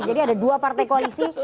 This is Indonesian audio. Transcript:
jadi ada dua partai koalisi